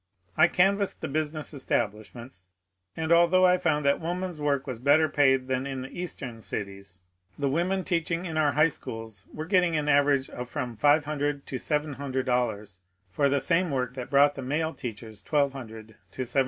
I canvassed the business establishments, and although I found that wo man's work was better paid than in the eastern cities, the women teaching in our high schools were getting an aver age of from $500 to $700 for the same work that brought the male teachers $1200 to $1700.